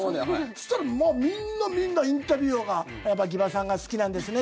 そうしたら、みんなみんなインタビュアーがギバさんが好きなんですね